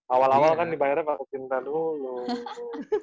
awal awal kan dibayarnya bahasa cinta dulu